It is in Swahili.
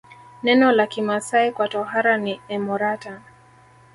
Neno la Kimasai kwa tohara ni emorata